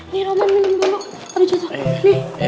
nih roman mendingin dulu abis itu nih